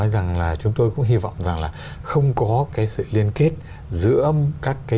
sức ép trả nợ khác